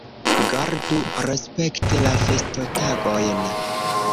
Gardu respekte la festotagojn.